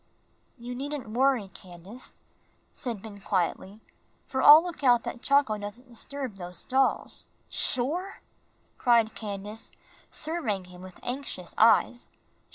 "You needn't worry, Candace," said Ben, quietly, "for I'll look out that Jocko doesn't disturb those dolls." "Shore?" cried Candace, surveying him with anxious eyes.